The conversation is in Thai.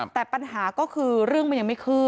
แต่ปัญหาก็คือเรื่องมันยังไม่คืบ